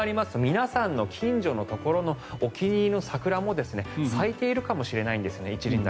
皆さんの近所のところのお気に入りの桜も咲いているかもしれないんですね。